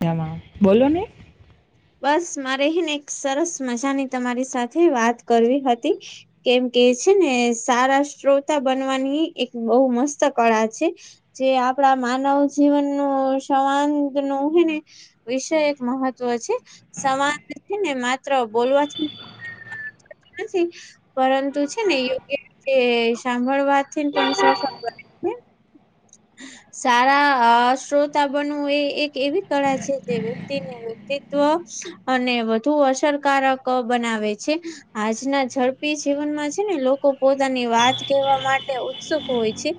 મજામાં બોલો ને બસ મારે હે ને એક સરસ મજાની તમારી સાથે વાત કરવી હતી. કેમ કે છે ને સારા શ્રોતા બનવાની એક બહુ મસ્ત કળા છે. જે આપણા માનવ જીવન નું સવાંગ નું હે ને વિષય એક મહત્વ છે સમાજ છે ને માત્ર બોલવાથી નથી પરંતુ છે ને યોગ્ય રીતે સાંભળવા થી પણ સફળ બને છે. [inaudible] સારા અ શ્રોતા બનવુ એ એક એવી કળા છે જે વ્યક્તિ ની [unintelligible] ત્વ અને વધુ અસરકારક બનાવે છે. આજના ઝડપી જીવનમાં છે ને લોકો પોતાની વાત કહેવા માટે ઉત્સુક હોય છે.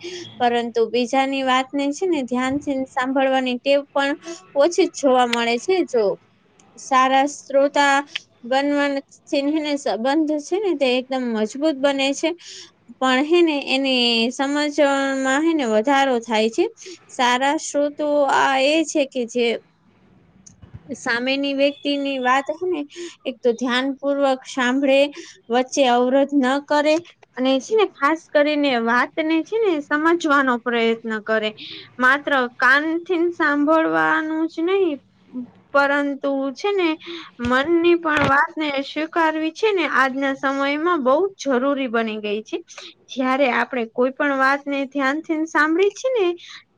પરંતુ બીજાની વાતને છે ને ધ્યાનથી સાંભળવાની ટેવ પણ ઓછી જોવા મળે છે જો સારા શ્રોતા બનવા થી છે ને સંબંધ છે ને તે એકદમ મજબૂત બને છે. પણ હે ને એને સમજવામાં હે ને વધારો થાય છે. સારા‌ સ્રોતો આ એ છે કે જે સામેની વ્યક્તિની વાત હે ને એક તો ધ્યાન પૂર્વક સાંભળે વચ્ચે અવરોધ ન કરે અને છે ને ખાસ કરીને વાતને છે ને સમજવાનો પ્રયત્ન કરે માત્ર કાનથી સાંભળવાનું જ નય પરંતુ છે ને મનની પણ વાતને સ્વીકારવી છે ને આજના સમયમાં બહુ જરૂરી બની ગઈ છે. જયારે આપડે કોઈ પણ વાતને ધ્યાનથીને સાંભળી છી ને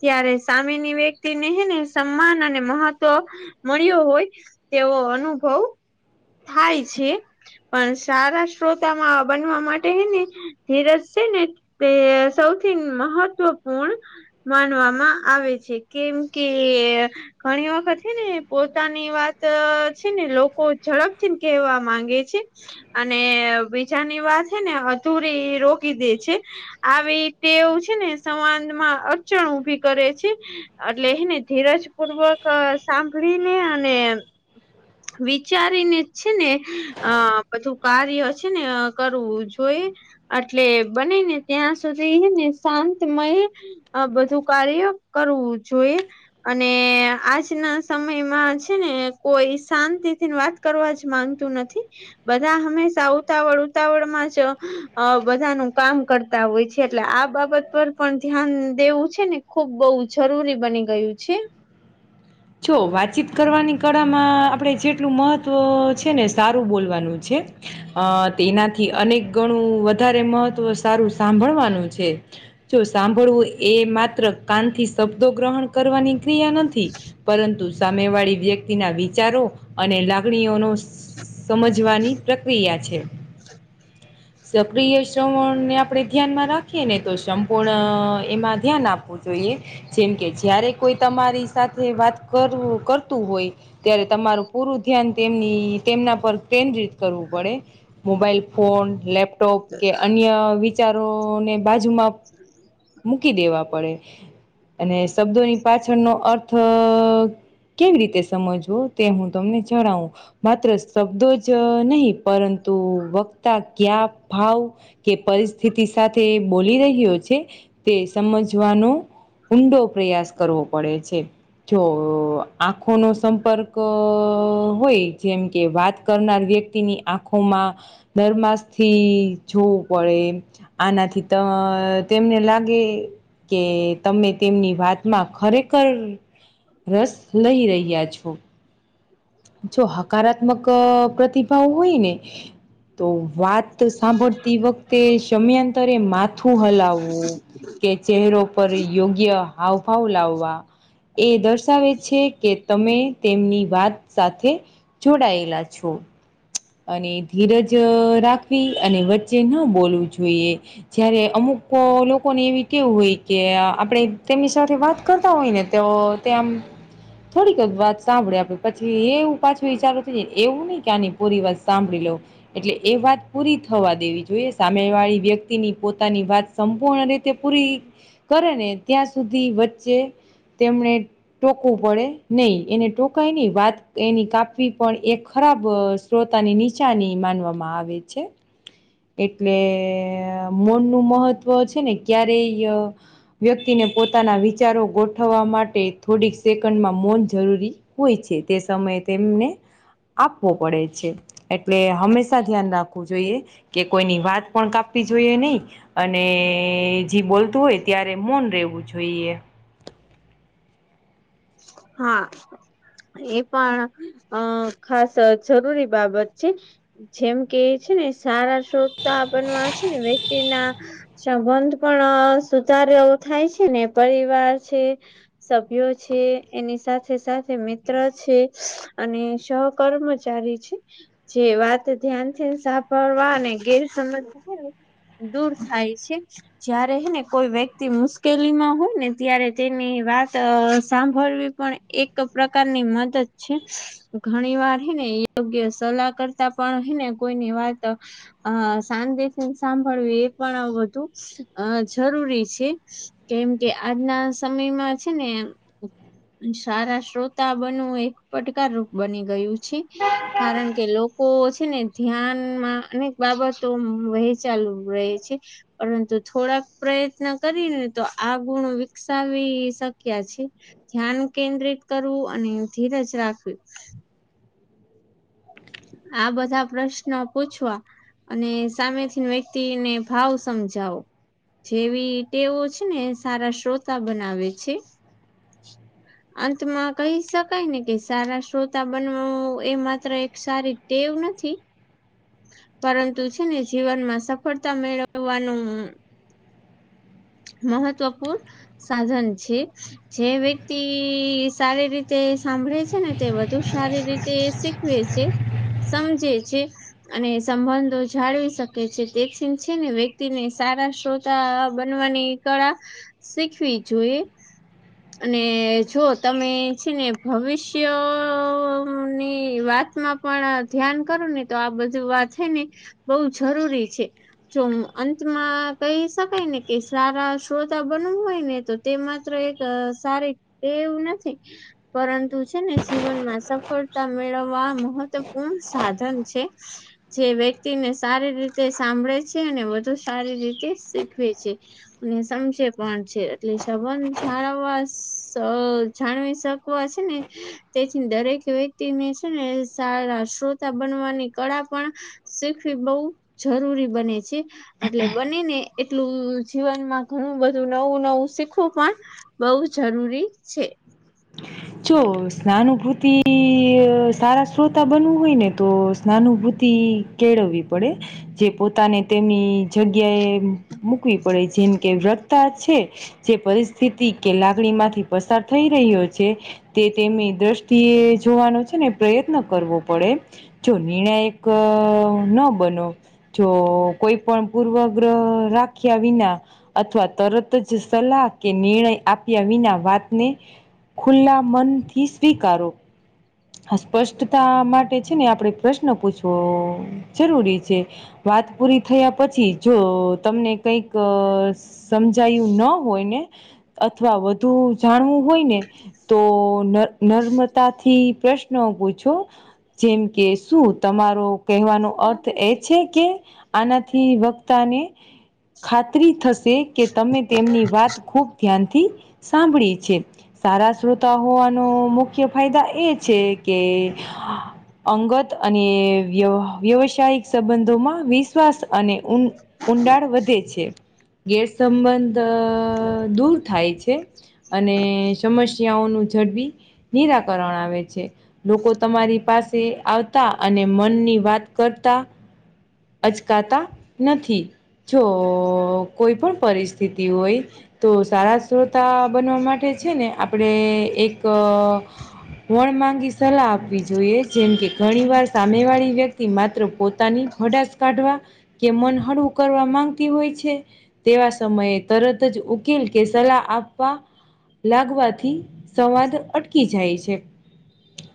ત્યારે સામેની વ્યક્તિ ને હેને સન્માન અને મહત તો મળ્યો હોય તેવો અનુભવ થાય છે. પણ સારા શ્રોતામાં બનવા માટે હેને ધીરજ છે ને તે સૌથી મહત્વપૂર્ણ માનવામાં આવે છે. કેમ કે, ઘણી વખત હે ને પોતાની વાત છે ને લોકો ઝડપથી કહેવા માંગે છે. અને બીજા ની વાત છે ને અધૂરી રોકી દે છે. આવી ડેવ છે ને સંવાદમાં અડચણ ઉભી કરે છે. એટલે હેને ધીરજ પૂર્વક સાંભળીને અને વિ વિચારીને છે ને અ બધું કાર્ય છે ને કરવું જોઈએ. એટલે બને ને ત્યાં સુધી હેને શાંતમય આ બધું કાર્ય કરવું જોઈએ. અને આજનાં સમયમાં છે ને કોઈ શાંતિ થી વાત કરવા જ માંગતું નથી. બધાં હંમેશા ઉતાવળ ઉતાવળ માં જ અ બધાનું કામ કર તા હોય છે. એટલે આ બાબત પર પણ ધ્યાન દેવું છે ને ખુબ બહુ જરૂરી બની ગયું છે. જો વાતચીત કરવાની કળામાં આપણે જેટલું મહત્ત્વ છે ને સારું બોલવાનું છે. અ તેનાથી અનેક ગણું વધારે મહત્વ સારું સાંભળવાનું છે. જો સાંભળવું એ માત્ર કાનથી શબ્દો ગ્રહણ કરવાની ક્રિયા નથી. [unintelligible] સામે વાળી વ્યક્તિના વિચારો અને લાગણીઓ નો સમજવાની પ્રક્રિયા છે. સક્રિય શ્રવણને આપણે ધ્યાનમાં રાખીએ ને તો સંપૂર્ણ એમાં ધ્યાન આપવું જોઈએ. જેમ, કે જયારે કોઈ તમારી સાથે વાત કરવુ કરતું હોય ત્યારે તમારું પૂરું ધ્યાન તેમની તેમનાં પર કેન્દ્રિત કરવું પડે. મોબાઈલ ફોન, લેપટોપ કે અન્ય વિચારોને બાજુમાં [inaudible] મૂકી દેવા પડે. અને શબ્દોની પાછળનો અર્થ કેવી રીતે સમજવો તે હું તમને જણાવું. માત્ર શબ્દો જ નહીં. પરંતુ વખતા ક્યા ભાવ કે પરિસ્થિતિ સાથે બોલી રહ્યો છે. તે સમજવાનો ઊંડો પ્રયાસ કરવો પડે છે. જો આંખો નો સંપર્ક હોય જેમ, કે વાત કરનાર વ્યક્તિની આંખોમાં નરમાસ થી જોવું પડે. આનાથી તો તેમને લાગ ગે કે તમે તેમની વાતમાં ખરેખર રસ લઈ રહ્યા છો. જો હકારાત્મક પ્રતિભાવ હોય ને તો વાત સાંભળતી વખતે સમયાંતરે માથું હલાવવું, કે ચહેરો પર યોગ્ય હાવભાવ લાવવાં એ દર્શાવે છે કે તમે તેમની વાત સાથે જોડાયેલાં છો. અને ધીરજ રાખવી અને વચ્ચે ન બોલવું જોઈએ. જયારે અમુકો લોકોને એવી કેવું હોય કે આપણેે તેમની સાથે વાત કરતા હોય ને તો ત્યાં આમ થોડીક જ વાત સાંભળે આપડે પ છી એવું પાછું વિચારવું છે ને એવું નઈ કે આની પૂરી વાત સાંભળી લઉ, એટલે એ વાત પૂરી થવા દેવી જોઈએ. સામેવાળી વ્યક્તિ ની પોતાની વાત સંપૂર્ણ રીતે પૂરી કરે ને ત્યાં સુધી વચ્ચે તેમને ટોકવું પડે નહી એને ટોકાય નહી વાત એની કાપવી પણ એક ખરાબ શ્રોતાની નીસાની માનવામાં આવે છે. એટલે મોન નું મહત્વ છે ને ક્યારેય અ વ્યક્તિને પોતાના વિચારો ગોઠવવા માટે થોડીક સેકન્ડમાં મૌન જરૂરી હોય છે તે સમયે તેમને આપવો પડે છે. એટલે હંમેશા ધ્યાન રાખવું જોઈએ કે કોઈની વાત પણ કાપવી જોઈએ નહી. અને જે બોલતું હોય ત્યારે મોન રેહવું જોઈએ. હા. એ પણ અ ખાસ જરૂરી બાબત છે. જેમ કે છે ને સારા શ્રોતતા બનવા છે ને વ્યક્તિના સંબંધ પણ સુધારે એવુ થાય છે ને પરિવાર છે. સભ્યો છે. એની સાથે -સાથે મિત્ર છે અને સહ કર્મચારી છે. જે વાત ધ્યાનથી સાંભાળવા અને ગેર સમજ હોય ને દૂર થાય છે. જયારે હે ને કોઈ વ્યક્તિ મુશ્કેલીમાં હોય ને ત્યારે તેની વાત સા -ભળવી પણ એક પ્રકારની મદદ છે. ઘણી વાર હે ને યોગ્ય સલાહ કરતા પણ હે ને કોઈની વાત અ શાંતિ થી સાંભળવી એ પણ બધું અ જરૂરી છે. કેમ કે આજના સમયમાં છે ને સારા શ્રોતા બનવું એક પડકારરૂપ બની ગયું છે. કારણ કે લોકો છે ને ધ્યાનમાં અનેક બાબતો વહે ચાલુ રહે છે. પરંતુ થોડાક પ્રયત્ન કરીને તો આ ગુણો વિકસાવી શક્યા છે. ધ્યાન કેન્દ્રિત કરવું અને ધીરજ રાખવી આ બધા પ્રશ્નો પૂછવા અને સામેથી વ્યક્તિને ભાવ સમજાવો. જેવી ટેવો છે ને સારા શ્રોતા બનાવે છે. અંતમાં કહી શકાય ને કે સારા શ્રોતા બનવુ એ માત્ર એક સારી ટેવ નથી. પરંતુ છે ને જીવનમાં સફળતા મેળવવાનું મહત્વપૂર્ણ સાધન છે. જે વ્યક્તિ સારી રીતે સાંભળે છે ને તે વધુ સારી રીતે શીખ વે છે, સમજે છે. અને સંબંધો જાળવી શકે છે તેથી છે ને વ્યક્તિને સારા શ્રોતા બનવાની કળા શીખવી જોઈએ. અને જો તમે છે ને ભવિષ્ય ની વાતમાં પણ ધ્યાન કરુંને તો આ બધું વાત હે ને બહુ જરૂરી છે. જો અંતમાં કહી શકાય ને કે સારા શ્રોતા બનવું હોય ને તો તે માત્ર એક સારી ટેવ નથી. પરંતુ છે ને જીવનમાં સફળતા મેળવવા મહત્વપૂર્ણ સાધન છે. જે વ્યક્તિને સારી રીતે સાંભળે છે અને વધુ સારી રીતે શીખવે છે. ને સમજે પણ છે એટલે સંબંધ જાળવવા અ જાણવી શક તો આ છે ને તેથીન દરેક વ્યક્તિને છે ને સારા શ્રોતા બનવાની કળા પણ શીખવી બઉ જરૂરી બને છે. એટલે બને ને એટલું જીવનમાં ઘણું બધું નવું-નવું શીખવું પણ બહું જરૂરી છે. જો સ્નાનુભૂતિ સારા શ્રોતા બનવું હોય ને તો સ્નાનુભૂતિ કેળવવી પડે. જે પોતાને તેની જગ્યા એ મૂકવી પડે. જેમ કે વ્રતા છે જે પરિસ્થિતિ કે લાગણી માંથી પસાર થઈ રહ્યો છ છે, તે તેમની દ્રષ્ટિએ જોવાનો છે ને પ્રયત્ન કરવો પડે. જો નિર્ણાયક ન બનો જો કોઈ પણ પૂર્વગ્રહ રાખ્યા વિના અથવા તરત જ સલાહ કે નિર્ણય આપ્યા વિના વાતને ખુલ્લા મનથી સ્વીકારો. હા સ્પષ્ટતા માટે છે ને આપણે પ્રશ્ન પૂછવો જરૂરી છે. વાત પૂરી થયા પછી જો તમને કંઈક સમજાયું ન હોય ને અથવા વધુ જાણવું હોય ને તો ન નર્મદા થી પ્રશ્ન પૂછો. જેમ કે શું તમારો કહેવાનો અર્થ એ છે કે? આનાથી વક્તાને ખાતરી થશે કે તમે તેમની વાત ખૂબ ધ્યાનથી સાંભળી છે. સારા શ્રોતા હોવાનો મુખ્ય ફાયદા એ જ છે કે અંગત અને વ્યહ વ્યવસાયિક સંબંધોમાં વિશ્વાસ અને ઊં ઊંડાણ વધે છે, ગેરસંબંધ અહ દૂર થાય છે. અને સમસ્યાઓનું ઝડપી નિરાકરણ આવે છ છે. લોકો તમારી પાસે આવતા અને મનની વાત કરતા અચકાતા નથી. જો કોઈ પણ પરિસ્થિતિ હોય તો સારા શ્રોતા બનવા માટે છે ને આપણે એક વણ માંગી સલાહ આપવી જોઈએ. જેમ કે ઘણી વાર સામેવાળી વ્યક્તિ માત્ર પોતાની ભડાશ કાઢવા કે મન હળવું કરવા માંગતી હોય છે. તેવા સમયે તરત જ ઉકીલ કે સલાહ આપવા લાગવાથી સંવાદ અટકી જાય છે.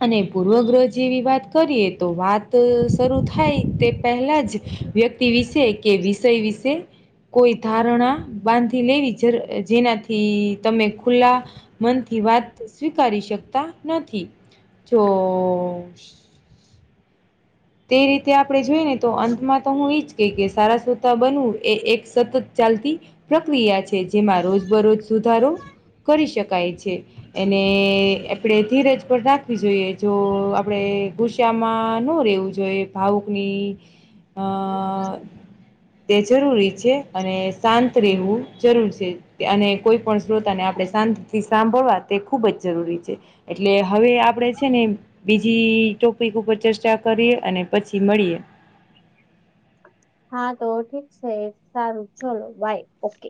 અને પૂર્વગ્રહ જેવી વાત કરીએ તો વાત શરૂ થાય તે પહેલા જ વ્યક્ તિ વિશે કે વિષય વિશે કોઈ ધારણા બાંધી લેવી જર જેનાથી તમે ખુલ્લા મનથી વાત સ્વીકારી શકતા નથી. જો તે રીતે આપણે જોઈએ ને તો અંતમાં તો હું ઈ જ કેય કે સારા શ્રોતા બનવું એ એક સતત ચાલતી પ્રક્રિયા છે. જેમાં રોજબરોજ સુધારો કરી શકાય છે. એને આપણે ધીરજ પર રાખવી જોઈએ. જો આપણે ગુશામાં ન રહેેવું જ જો એ ભાવુકની અહ તે જરૂરી છે. અને શાંત રહેવું જરૂર છે. કે અને કોઈ પણ શ્રોતાને આપણે શાંતિથી સાંભળવા તે ખૂબ જ જરૂરી છે. એટલે હવે આપડે છે ને બીજી ટોપિક ઉપર ચર્ચા કરીએ અને પછી મળીએ. [inaudible] હા તો ઠીક સે. સારું ચલો બાય ઓકે.